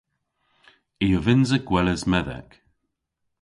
I a vynnsa gweles medhek.